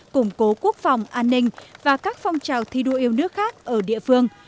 củng cố quốc phòng an ninh và các phong trào thi đua yêu nước khác ở địa phương